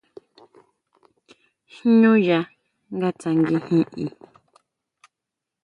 Jñú yá nga tsanguijin i.